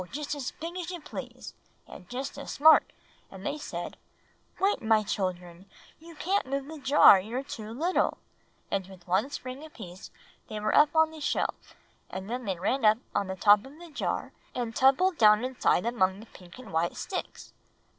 just as big as you please, and just as smart; and they said, 'Wait, my children, you can't move the jar, you're too little;' and with one spring apiece they were up on the shelf; and then they ran up on the top of the jar, and tumbled down inside among the pink and white sticks."